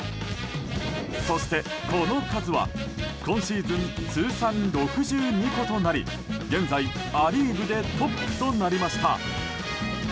そして、この数は今シーズン通算６２個となり現在、ア・リーグでトップとなりました。